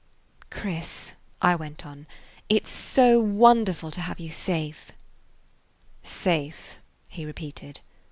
"Chris," I went on, "it 's so wonderful to have you safe." "Safe," he repeated.